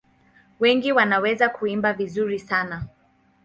Wengi wanaweza kuimba vizuri sana.